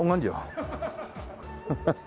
アハハハ。